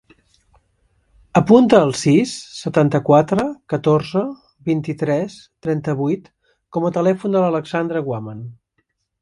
Apunta el sis, setanta-quatre, catorze, vint-i-tres, trenta-vuit com a telèfon de l'Alexandra Guaman.